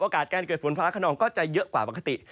โอกาสการเกิดฝนฟ้าข้างนอกก็จะเยอะกว่าปกติ